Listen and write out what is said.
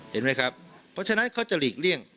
เห็นไหมครับเพราะฉะนั้นเขาจะหลีกเลี่ยง